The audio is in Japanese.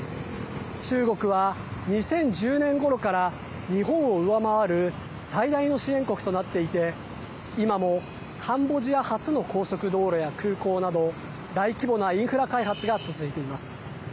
中国は、２０１０年ごろから日本を上回る最大の支援国となっていて今もカンボジア初の高速道路や空港など大規模なインフラ開発が続いています。